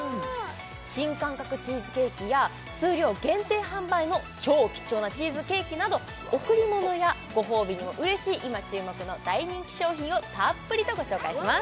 新感覚チーズケーキや数量限定販売の超貴重なチーズケーキなど贈り物やご褒美にもうれしい今注目の大人気商品をたっぷりとご紹介します